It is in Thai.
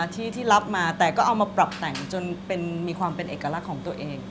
ที่รับมาแต่ก็เอามาปรับแต่งจนมีความเป็นเอกลักษณ์ของตัวเอง